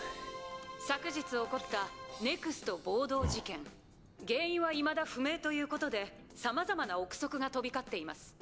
「昨日起こったＮＥＸＴ暴動事件原因はいまだ不明ということでさまざまな臆測が飛び交っています」。